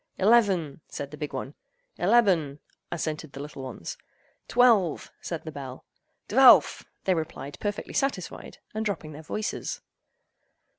"Eleven!" said the big one. "Eleben!" assented the little ones. "Twelve!" said the bell. "Dvelf!" they replied perfectly satisfied, and dropping their voices.